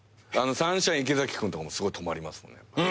サンシャイン池崎君とかもすごい止まりますもんね。